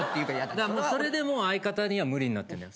それでもう相方には無理になってんのよ。